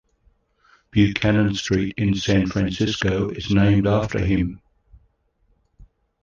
Buchanan Street, in San Francisco, is named after him.